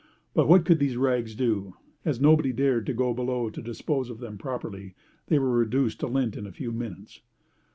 But what could these rags do? As nobody dared to go below to dispose of them properly, they were reduced to lint in a few minutes.